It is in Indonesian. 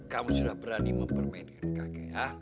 kamu sudah berani mempermainkan kakek